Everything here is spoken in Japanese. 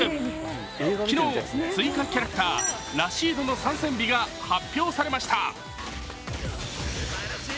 昨日、追加キャラクター、ラシードの参戦日が発表されました。